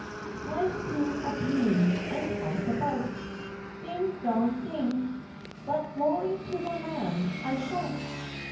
I've been abused and tossed about, Ding, Dong, Ding. But glory to the Lamb, I shout!